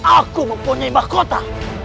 aku mempunyai mahkota